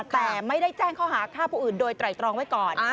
แต่ไม่ได้แจ้งข้อหาฆ่าผู้อื่นโดยไตรตรองไว้ก่อน